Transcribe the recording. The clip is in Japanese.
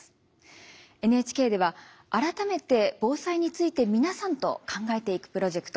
ＮＨＫでは改めて防災について皆さんと考えていくプロジェクト